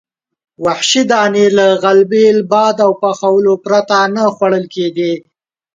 وحشي دانې له غلبیل، باد او پخولو پرته نه خوړل کېدې.